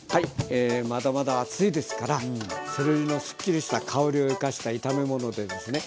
まだまだ暑いですからセロリのスッキリした香りを生かした炒め物でですね。